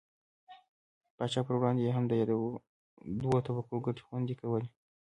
پاچا پر وړاندې یې هم د یادو دوو طبقو ګټې خوندي کولې.